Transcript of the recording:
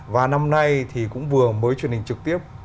và năm nay thì cũng vừa mới truyền hình trực tiếp